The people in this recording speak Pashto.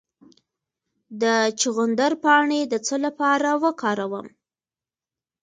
د چغندر پاڼې د څه لپاره وکاروم؟